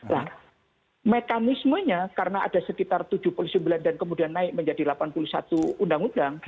nah mekanismenya karena ada sekitar tujuh puluh sembilan dan kemudian naik menjadi delapan puluh satu undang undang